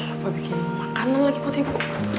apa bikin makanan lagi putih ibu